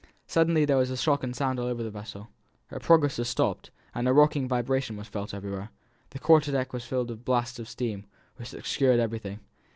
Suddenly there was a shock and stound all over the vessel, her progress was stopped, and a rocking vibration was felt everywhere. The quarter deck was filled with blasts of steam, which obscured everything.